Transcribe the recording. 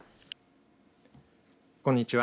こんにちは。